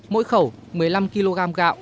mỗi khẩu một mươi năm kg gạo